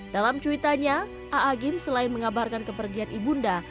dalam cuitanya aagim selain mengabarkan kepergian ibunda